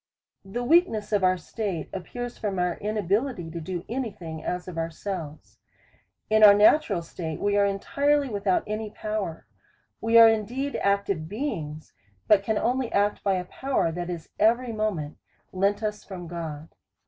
The weakness of our state appears from our inabi lity to do any thing , as of ourselves. In our natural state we are entirely without any power ; we are in deed active beings, but can only act by a power, that is every moment lent us from God.